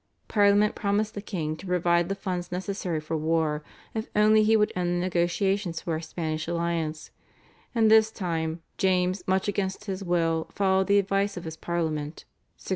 Parliament promised the king to provide the funds necessary for war if only he would end the negotiations for a Spanish alliance, and this time James much against his will followed the advice of his Parliament (1624).